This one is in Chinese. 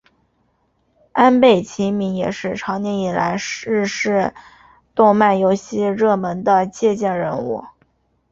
安倍晴明也是长年以来日式动漫游戏热门的借鉴人物。